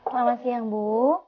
selamat siang bu